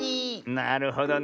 なるほどね。